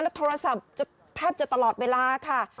โทรศัพท์จะแทบจะตลอดเวลาค่ะ